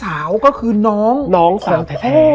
แล้วสักครั้งหนึ่งเขารู้สึกอึดอัดที่หน้าอก